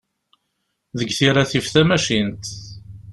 Deg tira tif tamacint.